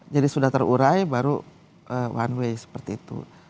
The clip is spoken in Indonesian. jadi sudah terurai baru one way seperti itu